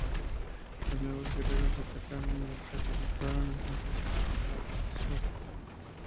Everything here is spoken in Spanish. Los Nuevos Guerreros los atacaron, mientras la situación era filmada para un reality show.